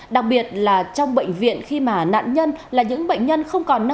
đặc biệt là trong bệnh viện khi mà nạn nhân là những bệnh nhân không còn tội phạm